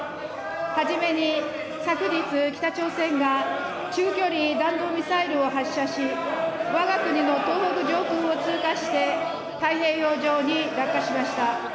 はじめに、昨日、北朝鮮が中距離弾道ミサイルを発射し、わが国の東北上空を通過して、太平洋上に落下しました。